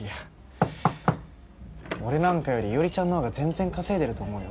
・コンコンコン俺なんかより伊織ちゃんの方が全然稼いでると思うよ。